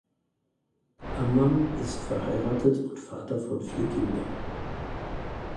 Ammann ist verheiratet und Vater von vier Kindern.